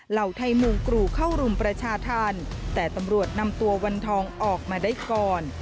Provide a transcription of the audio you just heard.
เห่าไทยมุงกรูเข้ารุมประชาธรรมแต่ตำรวจนำตัววันทองออกมาได้ก่อน